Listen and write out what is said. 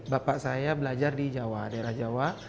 bapak saya belajar di jawa daerah jawa